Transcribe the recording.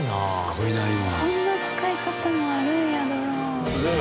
こんな使い方もあるんやドローン。